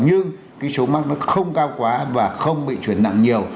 nhưng cái số mắc nó không cao quá và không bị chuyển nặng nhiều